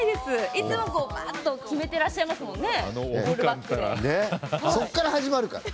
いつもこうバーッと決めてらっしゃいますもんね